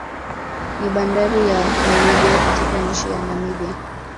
Ni bandari ya Namibia katika nchi ya Namibia